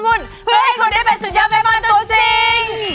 เพื่อให้คุณได้เป็นสุดยอดแม่บ้านตัวจริง